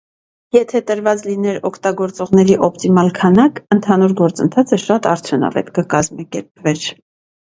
Եթե տրված լիներ օգտագործողների օպտիմալ քանակ, ընդհանուր գործընթացը շատ արդյունավետ կկազմակերպվեր։